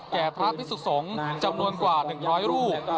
แก่พระพิศุกษงศ์จำนวนกว่า๑๐๐ลูก